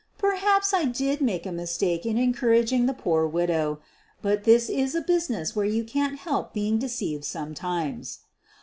" Perhaps I did make a mistake in encourage ing the poor widow. But this is a business where you can't help being deceived sometimes.